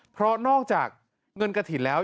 เพราะนอกจากเงินกระถิ่นแล้ว